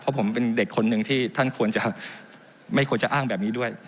เพราะผมเป็นเด็กคนหนึ่งที่ท่านควรจะไม่ควรจะอ้างแบบนี้ด้วย